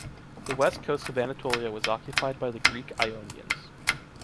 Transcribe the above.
The west coast of Anatolia was occupied by the Greek Ionians.